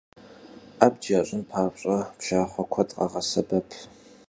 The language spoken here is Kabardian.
Abc yaş'ın papş'e, pşşaxhue kued khağesebep.